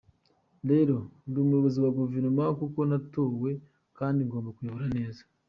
Rero, ndi umuyobozi wa guverenoma kuko natowe kandi ngomba kuyobora neza.